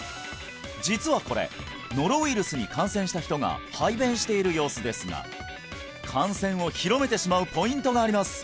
実はこれノロウイルスに感染した人が排便している様子ですが感染を広めてしまうポイントがあります